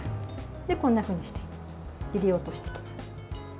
こんなふうにして切り落としていきます。